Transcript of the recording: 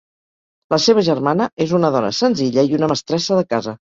La seva germana és una dona senzilla i una mestressa de casa.